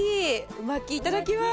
鰻巻きいただきます。